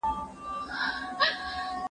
په ښوونځیو کي د لومړنیو مرستو بکسونه نه وو.